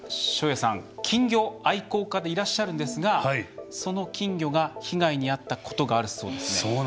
照英さん、金魚愛好家でいらっしゃるんですがその金魚が被害に遭ったことがあるそうですね。